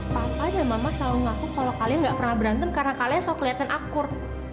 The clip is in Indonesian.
papa dan mama selalu ngaku kalo kalian gak pernah berantem karena kalian soal keliatan akur